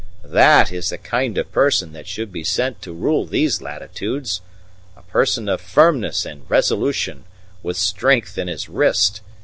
That is the kind of person that should be sent to rule these latitudes a person of firmness and resolution, with strength in his wrist.